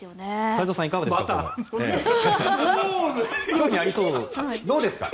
太蔵さんいかがですか？